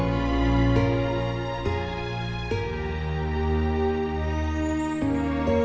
cantik selama suatu hari